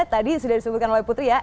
tadi sudah disebutkan oleh putri ya